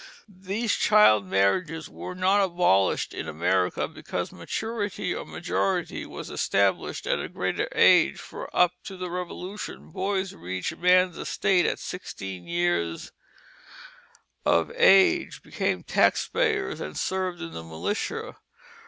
These child marriages were not abolished in America because maturity or majority was established at a greater age; for up to the Revolution boys reached man's estate at sixteen years of age, became tax payers, and served in the militia.